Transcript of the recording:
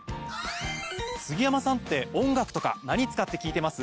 杉山さんって音楽とか何使って聞いてます？